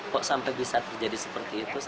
kok sampai bisa terjadi seperti itu